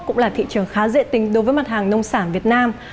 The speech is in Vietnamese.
cũng là thị trường khá dễ tính đối với mặt hàng nông sản việt nam